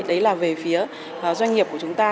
đấy là về phía doanh nghiệp của chúng ta